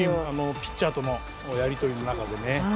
ピッチャーとのやりとりの中でね。